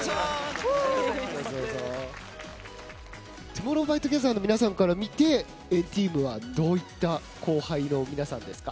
ＴＯＭＯＲＲＯＷＸＴＯＧＥＴＨＥＲの皆さんから見て＆ＴＥＡＭはどういった後輩の皆さんですか？